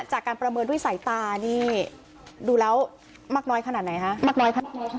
จากการประเมินด้วยสายตานี่ดูแล้วมากน้อยขนาดไหนคะมากน้อยแค่ไหน